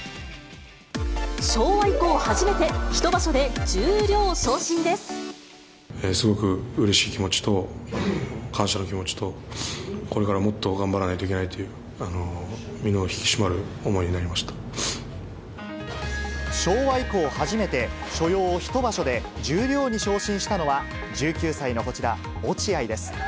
昭和以降初めて、１場所で十すごくうれしい気持ちと、感謝の気持ちと、これからもっと頑張らないといけないという身の引き締まる思いに昭和以降初めて、所要１場所で十両に昇進したのは、１９歳のこちら、落合です。